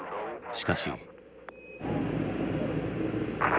しかし。